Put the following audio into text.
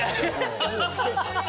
ハハハハ！